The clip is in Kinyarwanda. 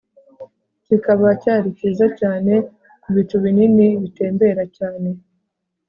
kikaba cyari cyiza cyane ku bicu binini, bitembera cyane